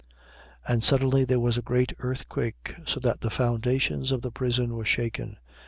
16:26. And suddenly there was a great earthquake, so that the foundations of the prison were shaken.